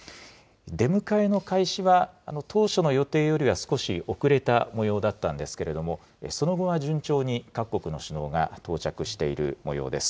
出迎えの開始は当初の予定よりは少し遅れたもようだったんですけれども、その後は順調に各国の首脳が到着しているもようです。